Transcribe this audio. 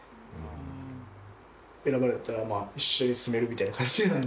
選ばれたら一緒に住めるみたいな。